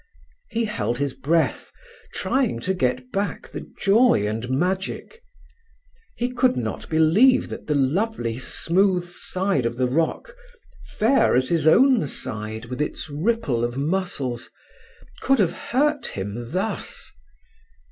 He held his breath, trying to get back the joy and magic. He could not believe that the lovely, smooth side of the rock, fair as his own side with its ripple of muscles, could have hurt him thus.